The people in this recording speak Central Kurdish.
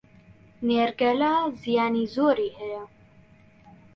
نێرگەلە زیانی زۆری هەیە